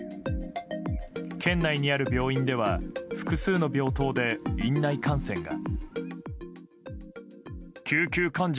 県内にある病院では複数の病棟で院内感染が。